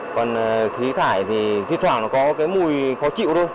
còn khí thải thì thiết thoảng có mùi khó chịu thôi